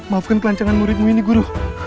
maafkan kelancaran muridmu ini guru